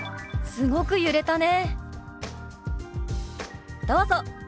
「すごく揺れたね」。